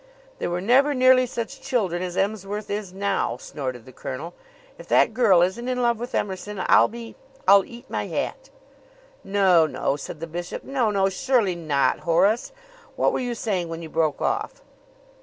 "They were never nearly such children as Emsworth is now," snorted the colonel. "If that girl isn't in love with Emerson I'll be I'll eat my hat." "No, no," said the bishop. "No, no! Surely not, Horace. What were you saying when you broke off?"